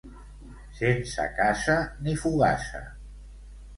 Sense casa ni fogassa.